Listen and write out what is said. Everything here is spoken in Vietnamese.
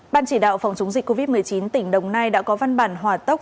ban chỉ đạo phòng chống dịch covid một mươi chín tỉnh đồng nai đã có văn bản hòa tốc